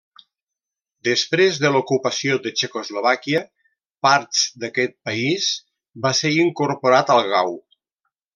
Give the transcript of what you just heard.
Després de l'ocupació de Txecoslovàquia, parts d'aquest país va ser incorporat al Gau.